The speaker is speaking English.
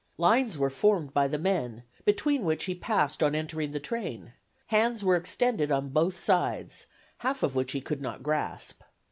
Lines were formed by the men, between which he passed on entering the train; hands were extended on both sides, half of which he could not grasp.